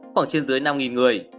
khoảng trên dưới năm người